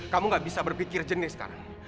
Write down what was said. kamu gak bisa berpikir jenis sekarang